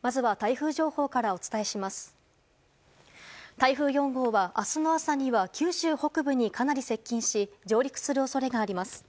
台風４号は明日の朝には九州北部にかなり接近し上陸する恐れがあります。